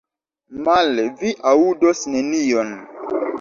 Male, vi aŭdos nenion.